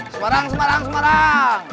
semarang semarang semarang